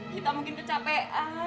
kita mungkin tercapek